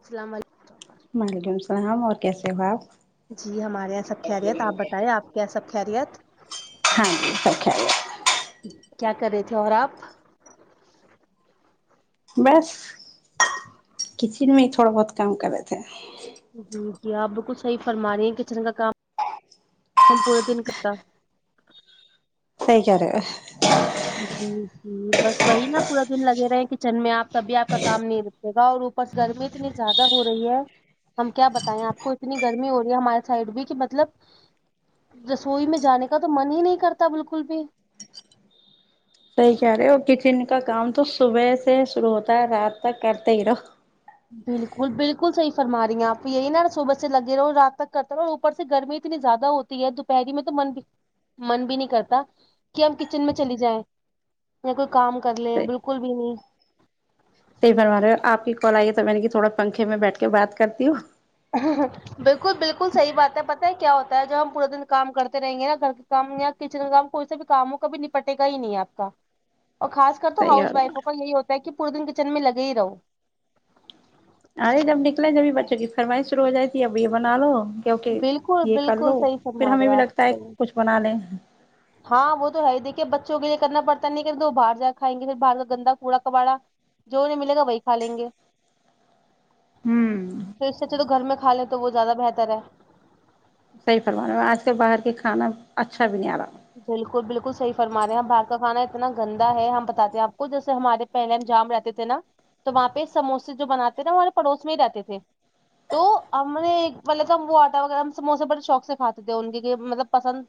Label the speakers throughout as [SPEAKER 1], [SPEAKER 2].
[SPEAKER 1] اسلام والے
[SPEAKER 2] وعلیکم السلام اور کیسے ہو آپ
[SPEAKER 1] جی ہمارے یہاں سب خیریت آپ بتائے آپ کیا یہ سب خیریت
[SPEAKER 2] ہاں جی سب خیریت
[SPEAKER 1] کیا کر رہے تھے اور آپ
[SPEAKER 2] بس کچن میں ہی تھوڑا بہت کام کرے تھے
[SPEAKER 1] جی جی آپ بالکل صحیح فرما رہی ہیں کچن کا کام پورے دن کر
[SPEAKER 2] صحیح کہہ رہے
[SPEAKER 1] جی جی بس وہی نا پورا دن لگے رہے ہیں کچن میں آپ تبھی آپ کا کام نہیں د گا اور اوپر سے گرمی اتنی زیادہ ہو رہی ہے ہم کیا بتائیں آپ کو اتنی گرمی ہو رہی ہے ہمارے سائڈ بھی کہ مطلب رسوئی میں جانے کا تو من ہی نہیں کرتا بالکل بھی
[SPEAKER 2] صحیح کہہ رہے ہو اور کچن کا کام تو صبح سے شروع ہوتا ہے رات تک کرتے ہی رہو
[SPEAKER 1] بالکل بالکل صحیح فرما رہی ہیں آپ یہی نا صبح سے لگے رہو اور رات تک کرتے رہو اور اوپر سے گرمی اتنی زیادہ ہوتی دوپہری میں تو من بھی من بھی نہیں کرتا کہ ہم کچن میں چلی جائیں یا کوئی کام کر لیں بالکل بھی نہیں
[SPEAKER 2] صحیح فرما رہے ہو آپ کی کال آئی ہے تو میں نے کہ تھوڑا پنکھے میں بیٹھ کے بات کرتی ہوں
[SPEAKER 1] اہا ہاں بالکل بالکل صحیح بات ہے پتہ ہے کیا ہوتا ہے جب ہم پورا دن کام کرتے رہیں گے نا گھر کام یا کچن کام کوئی سا بھی کاموں کاب نپٹے گا ہی نہیں ہے آپ کا اور خاص کر تو
[SPEAKER 2] صحیح اور
[SPEAKER 1] ہاؤس وائفوں کا یہی ہوتا ہے کہ پورے دن کچن میں لگے ہی رہو
[SPEAKER 2] ارے جب نکلے جبھی بچوں کی فرمائیش شرو ہو جات تی اب یہ بنا لو کیک
[SPEAKER 1] بالکل
[SPEAKER 2] یہ کر
[SPEAKER 1] بالکل
[SPEAKER 2] لو
[SPEAKER 1] صحیح
[SPEAKER 2] پھر
[SPEAKER 1] فرما رہے
[SPEAKER 2] ہمیں
[SPEAKER 1] ہو
[SPEAKER 2] بھی لگتا ہے
[SPEAKER 1] آپ
[SPEAKER 2] کچھ بنا لیں
[SPEAKER 1] ہاں وہ تو ہے دیکھیے بچوں کے لیے کرنا پڑتا نہیں کہ وہ باہر جا کائیں گے پھر باہر کا گندا کوڑا کبڑا جو انہیں ملے گا وہی کا لیں گے
[SPEAKER 2] ہوں
[SPEAKER 1] پھر سےچے تو گھر میں کھا لے تو وہ زیادہ بہتر ہے
[SPEAKER 2] صحیح فرمانے میں آج کل باہر کے کھانا اچھا بھی نہیں آ رہا
[SPEAKER 1] بالکل بالکل صحیح فرما رہیں ہم باہر کا کانا اتنا گندا ہے ہم بتاتے ہیں آپ کو جیسے ہمارے پہلے ہم جام رہتے تھے نا تو وہاں پہ سموسے جو بناتے نا وہ ہمارے پڑوس میں ہی رہتے تھے تو ہم نے ایکطلب تھا ہم وہ آٹا وغیرہ ہم سموسے بڑے شوق سے کھاتے تھے ان کی مطلب پسند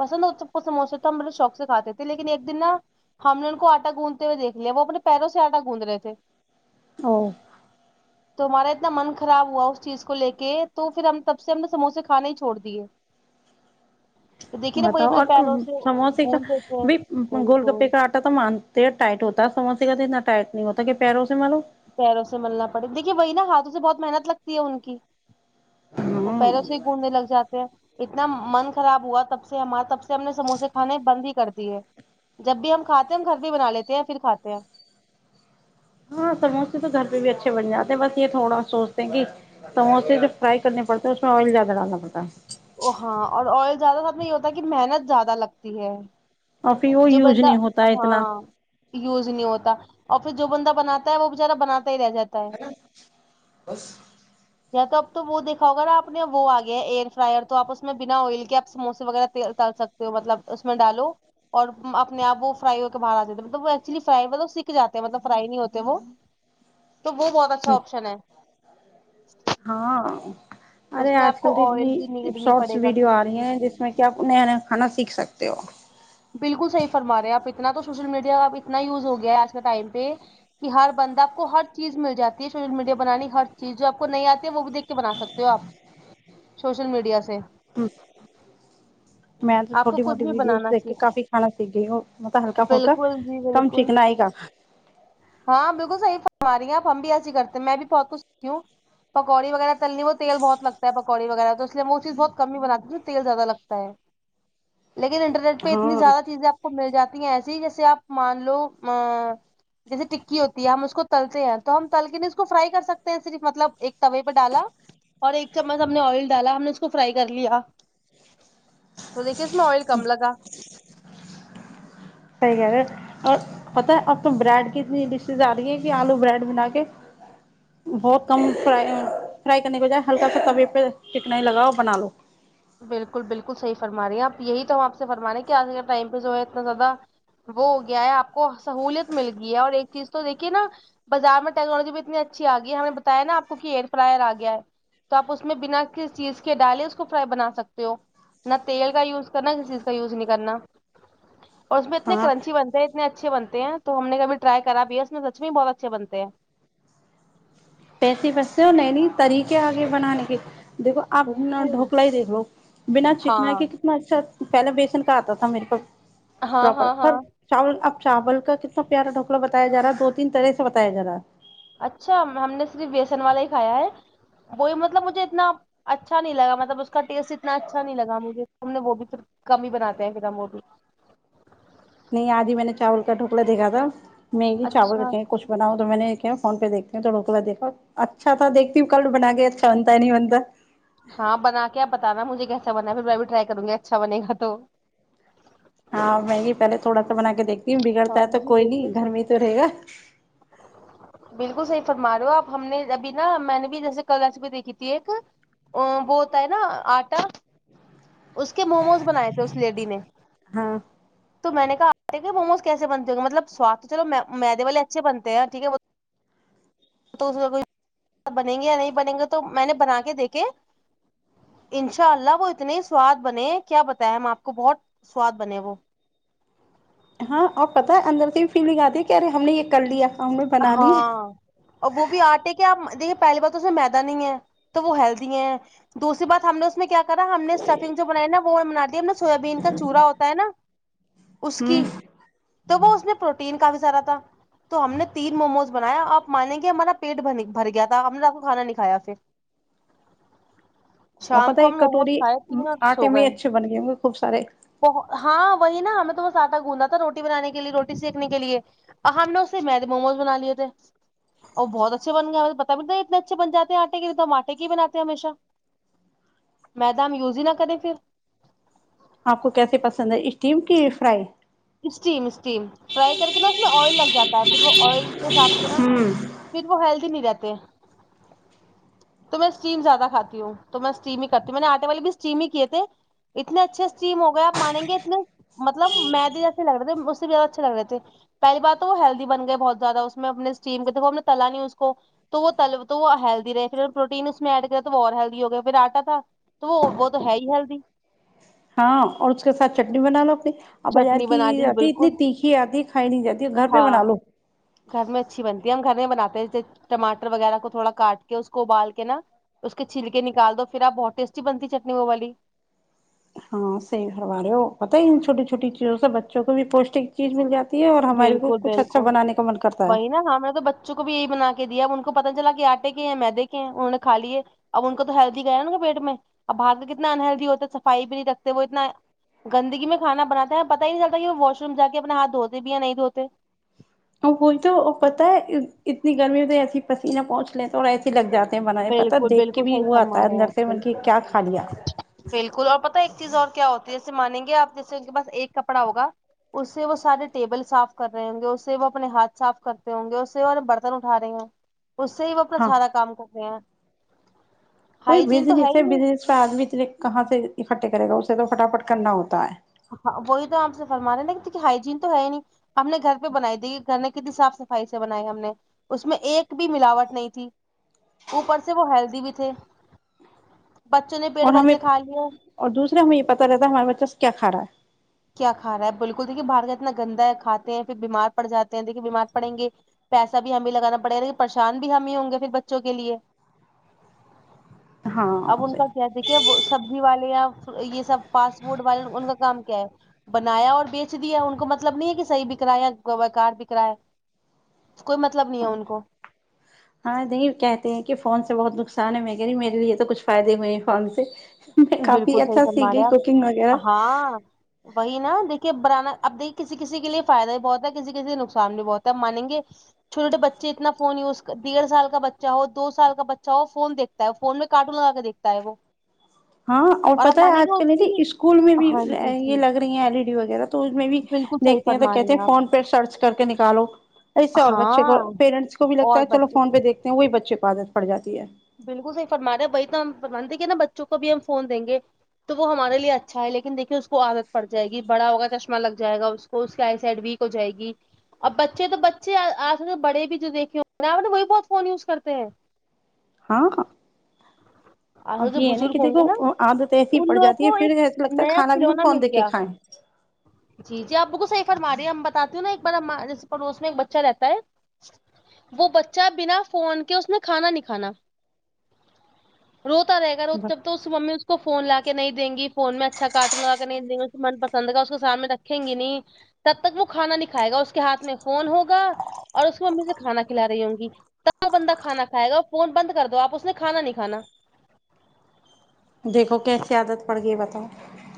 [SPEAKER 1] پسندب سموسے تو ہم لوگ شوق سے کھاتے تھے لیکن ایک دن نا ہم نے ان کو آٹا گوندتے ہوئے دیکھ لیا وہ اپنے پیروں سے آٹا گوند رہے تھے
[SPEAKER 2] او
[SPEAKER 1] تو ہمارا اتنا من خراب ہوا اس چیز کو لے کے تو پھر ہم تب سے ہم نے سموسے کھانے ہی چھوڑ دیے تو دیکھیے نا وہی
[SPEAKER 2] بتاؤ
[SPEAKER 1] اپنے
[SPEAKER 2] اور
[SPEAKER 1] پیروں سے
[SPEAKER 2] سموسے کا
[SPEAKER 1] گوند دیتے ہیں
[SPEAKER 2] بھی گول
[SPEAKER 1] بالکل
[SPEAKER 2] گپے کا تو مانتے ہیں ٹائٹ ہوتا ہے سمج سے کا تو اتنا ٹائٹ نہیں ہوتا کہ پیروں سے م لو
[SPEAKER 1] پیروں سے ملنا پڑے دیکھیے بھ نااتھ سے بہت محنت لگتی ہے ان کی وہ
[SPEAKER 2] ہاں
[SPEAKER 1] پہلوں سے ہی گھومنے لگ جاتے ہیں اتنا من خراب ہوا تب سے ہمار تب سے ہم نے سموسے کھانے بند ہی کر دیے جب بھی ہم کھاتے ہیں ہم گھر بھی بنا لیتے ہیں پھر کھاتے ہیں
[SPEAKER 2] ہاں سموسے تو گھر پہ بھی اچھے بن جاتے ہیں بس یہ تھوڑا سوچتے ہیں کہ سموسے جب فرائی کرنے پڑتے ہے اس میں آئل زیادہ ڈالنا پڑتا ہے
[SPEAKER 1] ا ہاں اور آئل زیادہ سب میں یہ ہوتا ہے کہ محنت زیادہ لگتی ہے
[SPEAKER 2] اور پھر وہ
[SPEAKER 1] جو
[SPEAKER 2] یوز
[SPEAKER 1] بندہ
[SPEAKER 2] نہیں ہوتا ہے
[SPEAKER 1] ہاں
[SPEAKER 2] اتنا
[SPEAKER 1] یوز نہیں ہوتا اور پھر جو بندہ بناتا ہے وہ بچارا بناتا ہی رہ جاتا ہے
[SPEAKER 2] بس
[SPEAKER 1] یا تو اب تو وہ دیککھاؤگا نا آ نے وہ آگیا ہے ایئر فرائر تو آپ اس میں بنا آئل کے آپ سموسے وغیرہ ڈال سکتے ہو مطلب اس میں ڈالو اور اپنے آپ وہ فرائی ہو کے باہر جے ہیں مطب وہ ایکچولی فرائی مطلب سکھ جے ہیں مطلب فرائی نہیں ہوتے وہ تو وہ بہت اچھا آپشن ہے
[SPEAKER 2] ہاں
[SPEAKER 1] اس
[SPEAKER 2] ارے
[SPEAKER 1] میں
[SPEAKER 2] آج
[SPEAKER 1] آپ
[SPEAKER 2] کل
[SPEAKER 1] کو
[SPEAKER 2] تو
[SPEAKER 1] آئل
[SPEAKER 2] اتنی
[SPEAKER 1] بھی نیڈ نہیں
[SPEAKER 2] شارٹس
[SPEAKER 1] پڑے گا
[SPEAKER 2] ویڈیو
[SPEAKER 1] کسی
[SPEAKER 2] آ رہی
[SPEAKER 1] چیز
[SPEAKER 2] ہیں جس میں
[SPEAKER 1] کی
[SPEAKER 2] کہ آپ نیا نیا کھانا سیکھ سکتے ہو
[SPEAKER 1] بالکل صحیح فرمارہے آپ اتنا تو سوشل میڈیا کا اب اتنا یوز ہو گیا ہے آج کے ٹائم پہ کہ ہر بندہ آپ کو ہر چیز مل جاتی ہے سوشل میڈیا بنانی ہر چیز جو آپ کو نہیں آتی ہے وہ بھی دیک کے بنا سکتے ہو آپ سوشل میڈیا سے
[SPEAKER 2] میں تو
[SPEAKER 1] آپ کو
[SPEAKER 2] چھوٹی
[SPEAKER 1] کچھ
[SPEAKER 2] موٹی
[SPEAKER 1] بھی
[SPEAKER 2] وڈیوز
[SPEAKER 1] بنانا
[SPEAKER 2] دیکھی
[SPEAKER 1] سیکھنا
[SPEAKER 2] کافی کھانا سیکھ گئی وہ مطلب ہلکا فھلکا
[SPEAKER 1] بالکل جی
[SPEAKER 2] کم
[SPEAKER 1] بالکل
[SPEAKER 2] چکنائی کا
[SPEAKER 1] ہاں بالکل صحیح فرما آ رہی آپ ہم بھی ایسی کرتے ہیں میں بھی بہت کچھ سیکھتی ہوں پکوڑی وغیرہ تلنی وہ تیل بہت لگتا پکوڑ وغیرہ تو اسے میں وہیز بہت ک ہی بناتی ہوں تو تیل زیادہ لگتا ہے لیکن انٹرنیٹ پہ اتنی
[SPEAKER 2] ہاں
[SPEAKER 1] زیادہ چیزیں آپ کو مل جاتی ہیں ایسیے ہی جیسے آپ مان لو جیسے ٹکی ہوتی ہے ہم اس کو تلتے ہیں تو ہم تل کے نہیں اس کو فرائی کر سکتے ہیں صرف مطلب ایک توے پہ ڈالا اور ایک چمچ ہم نے آئل ڈالا ہم نے اس کو فرائی کر لیا تو دیکھیے اس میں آئل کم لگا
[SPEAKER 2] صحیح کہہ رہے اور پتا ہے اب تو بریڈ کی اتنی ڈشز آ رہی ہے کہ آلو بریڈ بنا کے بہت کم فرائی فرائی کرنے کے بجائے ہلکا سا توی پہ ٹکن لگاؤ اور بنا لو
[SPEAKER 1] بالکل بالکل صحیح فرما رہی ہیں آپ یہی تو ہم آپ سے فرماے ہیں کہ آج ٹائم پہ جو ہے اتنا زیادہ وہ ہو گیا ہے آپ کو سہلیت مل گئی ہے اور ایک چیز تو دیکھیے نا بازار میں ٹیکنالوجی بھی اتنی اچھی آ گی ہم نے بتایا نا آپ کو کہ ایئر فرائر گیا ہے تو آپ اس میں بنا کس چیز کے ڈالیں اس کو فرائی بنا سکتے ہو نہ تیل کا یوز کرنا کسی چیز کا یوز نہیں کرنا اور اس میں اتنے
[SPEAKER 2] ہاں
[SPEAKER 1] کرنچی بنتے ہیں اتنے اچھے بن ہیں تو ہم نے کبھی ٹرائی کرا ہے اس میں سچ بھی بہت اچھے بنتے ہیں
[SPEAKER 2] پیسے بچتے ہو اور نئے نئے طریقے آگے بنانے کے دیکھو آپ
[SPEAKER 1] بالکل
[SPEAKER 2] ڈھوکلا ہی دیکھ لو بنا
[SPEAKER 1] ہاں
[SPEAKER 2] چکھنا کے اچھا پہلے بیسن کا آتا تھا میرے کو
[SPEAKER 1] ہاں ہاں
[SPEAKER 2] پراپر
[SPEAKER 1] ہاں
[SPEAKER 2] چاول اب چاول کا کتنا پیارا ڈھوکلا بتایا جا رہا ہے دو تین طرح سے بتایا جا رہا ہے
[SPEAKER 1] اچھا ہم نے صرف بیسن والا ہی کھایا ہے وہی مطلب مجھے اتنا اچھا نہیں لگا مطلب کا ٹیسٹ سے اتنا اچھا نہیں لگا مجھے ہم نے وہ بھی کم ہی بناتے ہیں پھر ہم وہ بھی
[SPEAKER 2] نہیں آج ہی میں نے چاول کا ڈھوکلا دیکھا تھا میں ہی چاول
[SPEAKER 1] اچھا
[SPEAKER 2] کچھ بناؤں تو میں نے کیا فون پہ دیکھ ڈھوکلا دیکھا اچھا تھا دیکھتی ہوں کل بنا کے اچھا بنتا ہے نہیں بنتا
[SPEAKER 1] ہاں بنا کے آپ بتانا مجھے کیسا بنا ہے پھر میں بھی ٹرائی کروں گی اچھا بنے گا تو
[SPEAKER 2] ہاں میں یہ پہلے تھوڑا سا بنا کے دیکھتی ہوں بگڑتا
[SPEAKER 1] ہاں
[SPEAKER 2] ہے تو
[SPEAKER 1] جی
[SPEAKER 2] کوئی نہیں
[SPEAKER 1] بالکل
[SPEAKER 2] گھر میں ہی
[SPEAKER 1] صحیح
[SPEAKER 2] تو رہے گا
[SPEAKER 1] بالکل صحیح فرما رہے ہو آپ ہم نے ابھی نا میں نے بھی جیسے کل ریسیپی دیکھی تھی ایک ا وہ ہوتا ہے نہ آٹا اس کے موموز بنائے تھے اس لیڈی نے
[SPEAKER 2] ہاں
[SPEAKER 1] تو میں نے کہا آٹا کے موموز کیسے بنتے ہو گے مطلب سواد تو چلو میدے والے اچھے بنتے ہیں ٹھیک ہے تو اس بنیں گے یا نہیں بنیں گے تو میں نے بنا کے دیکھے انشاء اللہ وہ اتنے ہی سواد بنے کیا بتائے ہم آپ کو بہت سواد بنے وہ
[SPEAKER 2] ہاں اور پتہ ہے اندر سے بھی فیلنگ آتی ہے کہ ارے ہم نے یہ کر لیا ہم نے بنا لی
[SPEAKER 1] ہاں اور وہ بھی آٹے کیا آپ دیکھے پہلی بار تو اس میں میدا نہیں ہے تو وہ ہیلدی ہے دوسری بات ہم نے اس میں کیا کرا ہم نے اسٹفنگ جو بنائی نا وہ بنا دیا ہم نا سویابین کا چورا ہوتا ہے نا اس کی
[SPEAKER 2] ہوں
[SPEAKER 1] تو وہ اس میں پروٹین کافی زدہ تھا تو ہم نے تین موموز بنایا آپ مانیں گے ہمارا پیٹ بھر گیا تھا ہم نے رات کو کھانا نہیں کھایا پھر
[SPEAKER 2] اور
[SPEAKER 1] شام
[SPEAKER 2] پتہ ہے
[SPEAKER 1] کو
[SPEAKER 2] ایک
[SPEAKER 1] ہم موموز
[SPEAKER 2] کٹوری
[SPEAKER 1] کھائے تھے اور سو
[SPEAKER 2] آٹے
[SPEAKER 1] گئے
[SPEAKER 2] میں اچھے بن گئے ہوں گے خوب سارے
[SPEAKER 1] ہاں وہی نا ہمیں تو بس آٹا گھندنا تھا روٹی بنانے کے لیے روٹی سیک نے کے لیے ہم نے اس سے مید موموز بنا لیے تھے اور بہت اچھے بنگے ہمیں پتا بھی نہیں اتنے اچھے بنجاتے آٹے کے تو ہم آٹے کی بناتے ہمیشہ میدہ ہم یوز ہی نہ کریں پھر
[SPEAKER 2] آپ کو کیسے پسند ہے اسٹیم کی فرائی
[SPEAKER 1] اسٹیم اسٹیم فرائی کر کے نا اس میں آئل لگ جاتا ہے پھر وہ آئل کے حساب سے نا
[SPEAKER 2] ہوں
[SPEAKER 1] پھر وہ ہیلدی نہیں رہتے تو میں اسٹیم زیادہ کھاتی ہوں تو میں اسٹیم ہی کرتی ہوں میں نےاٹے والے بھی اسٹیم ہی کیے تھے اتنے اچھے اسٹیم ہو گئے آپ مانیں گے اتنے مطلب میدے جے سے لگ رہے تھے اس سے بھی زیادہ اچھے لگ رہ تھے پہلی بات تو وہ ہیلدی بن گئے بہت زیادہ اس میں اپنے اسٹیم دھو ہم نے تلا نہیں اس کو تو وہ تلب تو وہ ہیلدی رہے پھر پروٹین اس میں ایڈ کر تو وہ اور ہیلدی ہو گیا پھر آٹا تھا تو وہ وہ تو ہے ہی ہیلدی
[SPEAKER 2] ہاں اور اس کے ساتھ چٹنی بنا لو اپنی ا بازار
[SPEAKER 1] چٹنی
[SPEAKER 2] کی
[SPEAKER 1] بنا لی
[SPEAKER 2] آتی ہے
[SPEAKER 1] بالکل
[SPEAKER 2] اتنی تیکھی آتی ہے کھائی نہیں جاتی ہے گھر پے
[SPEAKER 1] ہاں
[SPEAKER 2] بنا لو
[SPEAKER 1] گھر میں اچھی بنتی ہے ہم گھر میں بناتے ٹماٹر وغیرہ کو تھوڑا کاٹ کے اس کو ابال کے نا اس کے چھلکے نکال دو پھر آپ بہت ٹیسٹی بنتی چٹنی وہ والی
[SPEAKER 2] ہاں سی پھروارے ہو پتہ ہی ان چھوٹی چھوٹی چیزوں سے بچوں کو بھی پوشٹک چیز مل جاتی ہے اور ہماریے کو کچھ اچھا بنانے کا من کرتا ہے
[SPEAKER 1] ہاں ہاں میں تو بچ چوں کو بھی یہی بنا کے دیا ا ان کو پتہ چلا کہ آٹے کے ہیں میدے کے ہیں انہوں نے کھالئے اب ان کو تو ہیلدی گیا نا و پیٹ میں اب بھاگ کے کتنا انہلدی ہوتے صفائی بھی نہیں رکھتے وہ اتنا گندگی میں کھانا بناتے ہیں پتہ ہی نہیں چلتا کی وہ واش روم جا کے اپنے ہاتھ دھوتے بھی یا نہیں دھوتے
[SPEAKER 2] اور وہی تو پتا ہے اتنی گرمی ہوتی ہے ایس پسینہ پہنچ لے تو اور ایسے لگ جاتے ہیں بنے پتا
[SPEAKER 1] بالکل
[SPEAKER 2] دیکھ کے
[SPEAKER 1] بالکل
[SPEAKER 2] بھی
[SPEAKER 1] صحیح
[SPEAKER 2] وہ آتا
[SPEAKER 1] فرما
[SPEAKER 2] ہے
[SPEAKER 1] رہے ہیں
[SPEAKER 2] اندر سے
[SPEAKER 1] آپ
[SPEAKER 2] وہ اتا ہے کے
[SPEAKER 1] بالکل
[SPEAKER 2] کیا کھا لیا
[SPEAKER 1] بالکل اور پتہ ہے ایک چیز اور کیا ہوتی ہے جیسے مانیں گے آپ جیسے اسکے پاس ایک کپڑا ہوگا اس سے وہ سارے ٹیبل صاف کر رہے ہوں گے اس سے وہ اپنے ہاتھ صاف کرتے ہوں گے اس سے وہ برتن اٹھا رہے ہے اس سے ہی وہ اپنا
[SPEAKER 2] ہاں
[SPEAKER 1] سارا کام کر رہے ہیں
[SPEAKER 2] وہی
[SPEAKER 1] ہائجین تو
[SPEAKER 2] بزنس ہے
[SPEAKER 1] ہی نہیں
[SPEAKER 2] بزنس پے آدمی اتنے کہاں سے اکٹھے کرے گا اسے تو فٹا فٹ کرنا ہوتا ہے
[SPEAKER 1] ہاں وہی تو آپ سے فرما رہے ہیں نا کیونکی ہائیجین تو ہے ہی نہیں ہم نے گھر پے بنائی دیھی گھر نے کتنی صاف صفائی سے بنائی ہم نے اس میں ایک بھی ملاوٹ نہیں تھی اوپر سے وہ ہیلدی بھی تھے بچوں نے پیٹ
[SPEAKER 2] اور
[SPEAKER 1] بھر
[SPEAKER 2] ہمیں
[SPEAKER 1] کے کھا لیے
[SPEAKER 2] اور دوسرا ہمے یے پتہ رہتا ہے ہمارے بچہ سے کیا کھارہا ہے
[SPEAKER 1] کیا کھا رہا ہے بالکل دیکے بھار کا اتنا گندا ہے کھاتے ہیں پھر بیمار پڑ جاتے ہیں دیکے بیمار پڑیں گے پیسہ بھی ہمیں لگانا پڑے گا پریشان بھی ہم ہی ہوں گے پھر بچوں کے لیے اب
[SPEAKER 2] ہاں
[SPEAKER 1] ان کا
[SPEAKER 2] صحیح
[SPEAKER 1] کیا دیک کیا سبزی والے یا یے سب فاسٹ فوڈ والے ان کا کام کیا ہے بنایا اور بیچ دیا ان کو مطلب نہیں ہے کہ صحیح بک رہا ہے یا بے کار بک رہا ہے کوئی مطلب نہیں ہے ان کو
[SPEAKER 2] ہاں نہیں کہتے ہیں کہ فون سے بہت نقصان ہے میں کہی میرے لیے تو کچھ فائدے ہوئے ہیں فون سے میں کافی
[SPEAKER 1] بالکل صحیح
[SPEAKER 2] اچھا سیکھ
[SPEAKER 1] فرما رہے
[SPEAKER 2] گیئی
[SPEAKER 1] ہیں
[SPEAKER 2] کوکنگ وغیرہ
[SPEAKER 1] آپ ہاں وہی نا دیکھیے بنانا اب دیکے کسی کسی کے لیے فائدہ بھی بہتتا ہے کسی کسی نقصان بھی بہتتا ہے مانیں گے چھوٹے بچے اتنا فون یوز ڈیڑھ سال کا بچ ہو ہے دو سال کا بچہ ہو فون دیکھ تا ہے فون میں کارٹون لگا کے دیکتا ہے وہ
[SPEAKER 2] ہاں اور
[SPEAKER 1] آپ
[SPEAKER 2] پتہ ہے
[SPEAKER 1] مانیں
[SPEAKER 2] آج
[SPEAKER 1] گے
[SPEAKER 2] کل
[SPEAKER 1] اس
[SPEAKER 2] یے
[SPEAKER 1] کی
[SPEAKER 2] اسکول میں بھی
[SPEAKER 1] ہاں جی
[SPEAKER 2] یے
[SPEAKER 1] جی
[SPEAKER 2] لگ رہی ہیں ایل ای ڈی وغیرہ تو اس میں بھی
[SPEAKER 1] بالکل صحیح
[SPEAKER 2] دیکھتے ہیں تو
[SPEAKER 1] فرما رہی
[SPEAKER 2] کہتے ہیں
[SPEAKER 1] آپ
[SPEAKER 2] فون پے سرچ کر کے نکالو اس سے اور بچے کو
[SPEAKER 1] ہاں
[SPEAKER 2] پیرنٹس کو بھی لگتا
[SPEAKER 1] اور
[SPEAKER 2] ہے چلو
[SPEAKER 1] بچے
[SPEAKER 2] فون پے
[SPEAKER 1] بھی
[SPEAKER 2] دیکتے ہیں وہی بچے کو عادت پڑ جاتی ہے
[SPEAKER 1] بالکل صح فرما ہے وہی تو ہم فرمان دے گے نا بچوں کو بھی ہم فون دیں گے تو وہ ہمارے اچھا ہے لیکن دیکھیے اس کو عادت پڑ جائے گی بڑا ہوگا چشمہ لگ جائے گا اس کو تو اس کی آئیسائڈ ویک ہو جائے گی اب بچے تو بچے آج کل بڑے بھی جو دیکھے ہو آپ نے وہی بہت فون یوز کرتے ہیں
[SPEAKER 2] ہاں
[SPEAKER 1] آج
[SPEAKER 2] اب
[SPEAKER 1] کل جو
[SPEAKER 2] یے ہے نا کی
[SPEAKER 1] بزرگ ہوں گے
[SPEAKER 2] دیکو عادت ایسی ہی
[SPEAKER 1] ان
[SPEAKER 2] پڑ
[SPEAKER 1] لوگوں
[SPEAKER 2] جاتی ہے
[SPEAKER 1] کو
[SPEAKER 2] پھر ایسا
[SPEAKER 1] ایک
[SPEAKER 2] لگتا ہے
[SPEAKER 1] نیا
[SPEAKER 2] کھانا بھی ہم
[SPEAKER 1] کھلونا
[SPEAKER 2] فون
[SPEAKER 1] مل
[SPEAKER 2] دیکھ کے
[SPEAKER 1] گیا
[SPEAKER 2] کھائیں
[SPEAKER 1] جی جی آپ بالکل صحی فرمار رہی ہیں ہم بتاتی ہوں نا ایک بار ہم جیسے پڑوس میں ایک بچہ رہتا ہے وہ بچہ بنا فون کے اس نے کھانا نہیں کھانا روتا رہے گا روت اب تو ممی اس کو فون لا کے نہیں د گی فون میں اچھا کارٹون لگا کے نہیں دیں گے من پس سند کا اس کو سامنے رکھیں گی نہیں تب تک وہ کھانا نہیں کھائے گا اس کے ہاتھ میں فون ہوگا اور اس کو ممی سے کھانا کھلا رہی ہوں گی تب وہ بندہ کھانا کھائے گا وہ فون بند کر دو آپ اس نے کھا نہیں کھانا
[SPEAKER 2] دیکھو کیسی عادت پڑ گی بتاؤ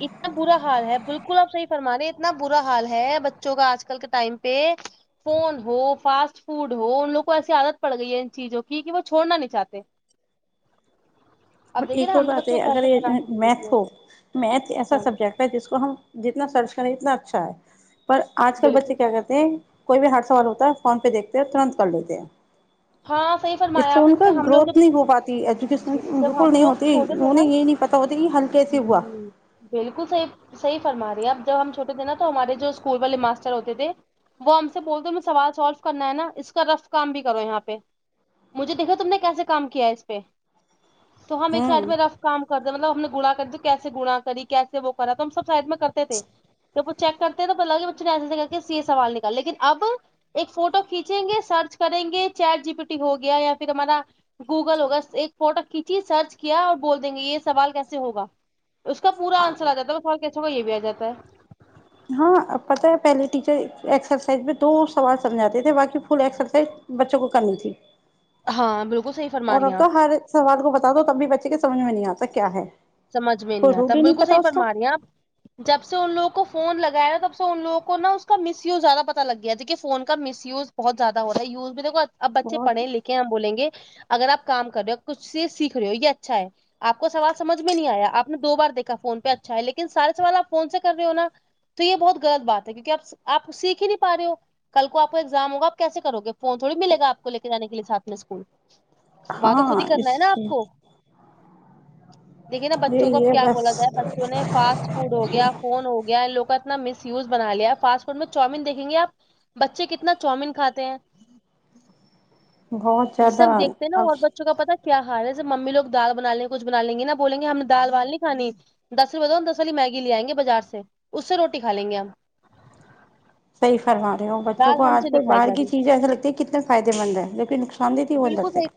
[SPEAKER 1] اتنا برا حال ہے بالکل آپ صحیح فرما رہے اتنا برا حال ہے بچوں کا آج کل کے ٹائم پے فون ہو فاسٹ فوڈ ہو ان لوگ کو ایسی عادت پڑ گئی ہے ان چیجوں کی کی وہ چھوڑنا نہیں چاہتے
[SPEAKER 2] اور
[SPEAKER 1] اب دیکھیے
[SPEAKER 2] ایک
[SPEAKER 1] نا
[SPEAKER 2] اور
[SPEAKER 1] ہم تو
[SPEAKER 2] بات ہے
[SPEAKER 1] بچوں کو گھر
[SPEAKER 2] اگر
[SPEAKER 1] پہ بنا کے دے دیتے
[SPEAKER 2] میتھ
[SPEAKER 1] ہیں
[SPEAKER 2] ہو میتھ ایسا
[SPEAKER 1] ہاں
[SPEAKER 2] سبجیکٹ ہے جس کو ہم جتنا سرچ کریں اتنا اچھا ہے پر آج کل بچے
[SPEAKER 1] بالکل
[SPEAKER 2] کیا کرتے کوئی بھی ہارڈ سوال ہوتا ہے فون پے دیکتے ہیں ترنت کر لیتے ہیں
[SPEAKER 1] ہاں صحیح
[SPEAKER 2] اس
[SPEAKER 1] فرمایا
[SPEAKER 2] سے
[SPEAKER 1] آپ نے
[SPEAKER 2] ان
[SPEAKER 1] جیسے
[SPEAKER 2] کا
[SPEAKER 1] ہم لوگ
[SPEAKER 2] گروتھ نہیں ہو پاتی ایجوکیشن
[SPEAKER 1] جب جب ہم
[SPEAKER 2] نہیں
[SPEAKER 1] لوگ
[SPEAKER 2] ہوتی
[SPEAKER 1] چھوٹے تھے نا
[SPEAKER 2] انہیں یے نہیں پتا ہوتا کی ہل کسے ہوا
[SPEAKER 1] جی بالکل صحیح فرمای ہے اب جب ہم چھوٹے تھے نا تو ہمارے جو اسکول والے ماسٹر ہوتے تھے وہ ہم سے بول تے ہمے سوال سولو کرنا ہے نا اس کا رف کام بھی کرو یہاں پے پے مجھے دیکھا تم نے کیسے کام کیا اس پے تو ہم ایک سائڈ
[SPEAKER 2] ہوں
[SPEAKER 1] میں رف کام کر دے مطلب ہم نے گنا کر تو کیسے گنا کری کیسے وہ کرا تو ہم سب سائڈ میں کرتے تھے چیک کرتے ہیں تو پتا لگا کہ بچے نے ایسے کر کے یے سوال نکال لیکن اب ایک فوٹو کھینچیں گے سرچ کریں گے چیٹ جی پی ٹی ہو گیا یا فیر ہمارا گوگل ہوگا ایک فوٹو کھینچی سرچ کیا اور بول دیں گے یے سوال کیسے ہوگا اس کا پورا آنسر آجاتا ہے وہ سالو کیسے ہوا یہ بھی آ جاتا ہے
[SPEAKER 2] ہاں اب پتا ہے پہلے ٹیچر ایکسرسائز میں دو سوال سمجھاتے تھے باقی فل ایکسرسائز بچوں کو کرنی تھی
[SPEAKER 1] ہاں بالکل صحیح فرما
[SPEAKER 2] اور
[SPEAKER 1] رہی ہیں
[SPEAKER 2] اب تو
[SPEAKER 1] آپ
[SPEAKER 2] ہر سوال کو بتادو تب بھی بچے کے سمجھ میں نہیں آتا کیا ہے
[SPEAKER 1] سمجھ میں نہیں
[SPEAKER 2] کوئی
[SPEAKER 1] آتا
[SPEAKER 2] رول ہی
[SPEAKER 1] بالکل
[SPEAKER 2] پتا
[SPEAKER 1] صحیح
[SPEAKER 2] اس کا
[SPEAKER 1] فرما رہے ہیں آپ جب سے ان لوگوں کو فون لگایا تھا تب سے ان لوگوں کو نا اس کا مس یوز زیادہ پتا لگ گیا تھا کی فون کا مس یوز بہت زیادہ ہو رہا یوز دیکھو اب بچے
[SPEAKER 2] بہت
[SPEAKER 1] پڑے لے ہم بولیں گے اگر آپ کام کر رہے ہو کچھ سے سیکھ رہے ہو یے اچھا ہے آپ کو سوال سمج میں نہیں آیا آپ نے دو بار دیکا فون پے اچھا ہے لیکن سارے سوال آپ فون سے کر رہے ہو نا تو یے بہت غلط بات ہے کیونکی آپ آپ سیکھ ہی نہیں پا رہے ہو کل کو آپ کو ایگزام ہوگا آپ کیسے کرو گے فون تھوڑی ملے گا آپ کو لے کے جا کے لیے ساتھ میں اسکول وہاں تو خود ہی
[SPEAKER 2] ہاں
[SPEAKER 1] کرنا ہے نا
[SPEAKER 2] اس
[SPEAKER 1] آپ کو دیکھیے نا
[SPEAKER 2] لیے
[SPEAKER 1] بچوں کو اب
[SPEAKER 2] یہ
[SPEAKER 1] کیا
[SPEAKER 2] بس
[SPEAKER 1] بولا جائے بچوں نے فاسٹ فوڈ ہو گیا فون ہو گیا ان لوگ کا نا مس یوز بنا لیا ہے فاسٹ فوڈ میں چاؤمین دیکھیں گے آپ بچے کتنا چاؤمین کاتے ہیں
[SPEAKER 2] بہت
[SPEAKER 1] جیسے
[SPEAKER 2] زیادہ
[SPEAKER 1] ہم دیکھتے ہیں نا
[SPEAKER 2] اب
[SPEAKER 1] اور بچ بچوں کا پتا کیا حال ہے جب ممی دال بنا لیں گی کچھ بنا لیں گیا بولیں گے ہم نے دال وال نہیں کھانی دس روپے دس وال بتاؤ دس والی میگی لے آئیں گے بازار سے اس سے روٹی کھا لیں گے ہم
[SPEAKER 2] صحیح فرما رہے ہیں اور بچوں کو
[SPEAKER 1] دال ہم
[SPEAKER 2] آج
[SPEAKER 1] سے نہیں
[SPEAKER 2] کل
[SPEAKER 1] کھائی
[SPEAKER 2] باہر
[SPEAKER 1] جا
[SPEAKER 2] کی
[SPEAKER 1] رہی
[SPEAKER 2] چیجے ایسے لگتی ہے کتنے فائدے مند ہے لیکن نقصان دیتی ہے وہ اندر
[SPEAKER 1] بالکل
[SPEAKER 2] سے
[SPEAKER 1] صحیح